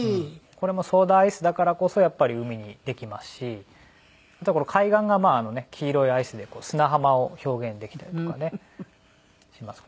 これもソーダアイスだからこそやっぱり海にできますし海岸が黄色いアイスで砂浜を表現できたりとかねします。